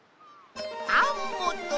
アンモと。